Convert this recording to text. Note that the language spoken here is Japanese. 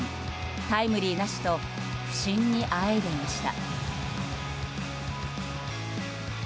タイムリーなしと不振にあえいでいました。